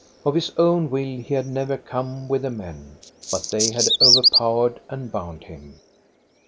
Of his own will he had never come with the men ; but they had overpowered and bound him.